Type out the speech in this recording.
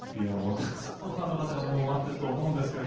たくさんのファンの方が待っていると思います。